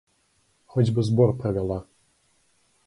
Хоць бы збор правяла!